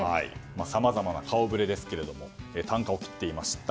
さまざまな顔ぶれですけど啖呵を切っていました